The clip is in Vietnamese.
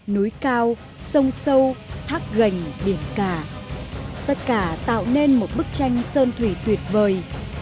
núi cao sông sâu thác gành biển cả tất cả tạo nên một bức tranh sơn thủy tuyệt vời